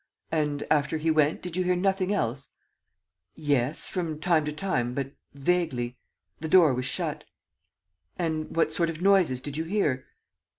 "And after he went, did you hear nothing else?" "Yes ... from time to time, but vaguely. ... The door was shut." "And what sort of noises did you hear?"